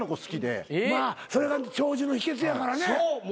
それが長寿の秘訣やからね。